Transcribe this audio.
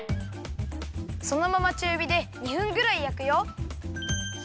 そのままちゅうびで２分ぐらいやくよ。